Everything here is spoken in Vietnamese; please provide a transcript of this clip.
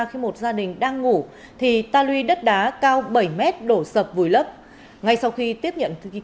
khi một gia đình đang ngủ thì ta luy đất đá cao bảy m đổ sập vùi lấp